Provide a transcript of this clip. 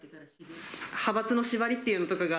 派閥の縛りっていうのとかが？